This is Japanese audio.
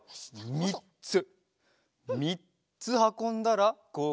みっつはこんだらごう